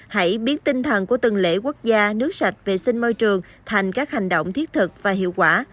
hãy biến tinh thần của từng lễ quốc gia nước sạch vệ sinh môi trường thành các hành động thiết thực và hiệu quả